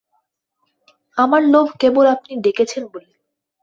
আমার লোভ কেবল আপনি ডেকেছেন বলে।